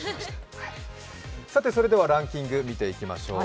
それではランキング、見ていきましょう。